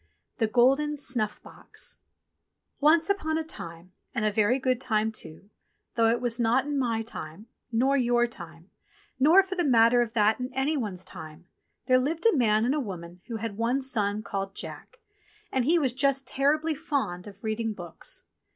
THE GOLDEN SNUFF BOX ONCE upon a time, and a very good time too, though it was not in my time, nor your time, nor for the matter of that in any one's time, there Hved a man and a woman who had one son called Jack, and he was just terribly fond of reading books.